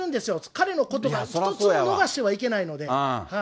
彼のことば、一つも逃してはいけないので。